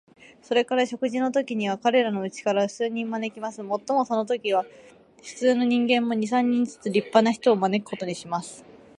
それから食事のときには、彼等のうちから数人招きます。もっともそのときには、普通の人間も、二三人ずつ立派な人を招くことにします。